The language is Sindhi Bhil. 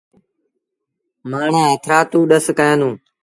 مآڻهآݩ هٿرآدو ڏس ڪيآݩدوݩ۔